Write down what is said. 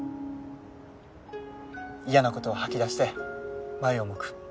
嫌なことを吐き出して前を向く。